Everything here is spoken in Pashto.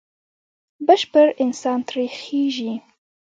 بشپړ انسان ترې خېژي.